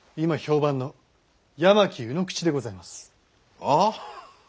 ああ！